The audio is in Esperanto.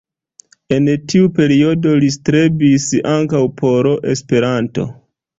En tiu periodo li strebis ankaŭ por Esperanto.